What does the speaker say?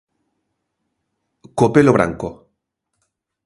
Co pelo branco.